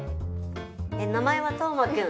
名前はトーマくん。